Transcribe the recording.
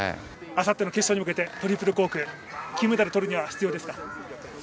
あさっての決勝に向けて、トリプルコーク、金メダルをとるには必要ですか。